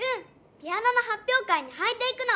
ピアノのはっぴょう会にはいていくの！